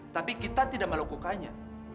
tapi kita tidak melukukannya